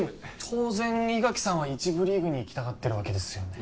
当然伊垣さんは１部リーグに行きたがってるわけですよね